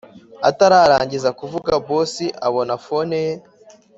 atararangiza kuvuga boss abona phone ye